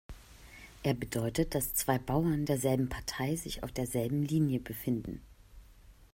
Er bedeutet, dass zwei Bauern derselben Partei sich auf derselben Linie befinden.